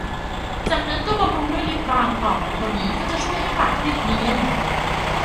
จากนั้นก็บำรุงด้วยลิปบาล์มต่อ เท่านี้ก็จะช่วยให้ปากเรียบเนียน